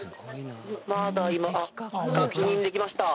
まだ今あっ確認できました。